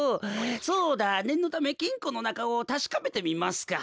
そうだねんのためきんこのなかをたしかめてみますか。